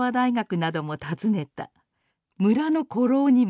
村の古老にも」。